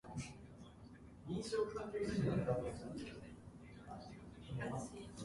Farmers were attracted by the town's fertile soil for cultivation, grazing and dairy farming.